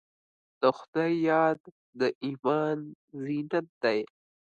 د خدای یاد د ایمان زینت دی.